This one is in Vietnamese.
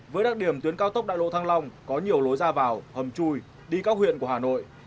với đặc điểm tuyến cao tốc đại lộ thăng long có nhiều lối ra vào hầm chui đi các huyện của hà nội